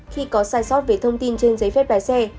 khi có sai sót về thông tin trên giấy phép lái xe